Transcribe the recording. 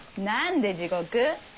なんで地獄？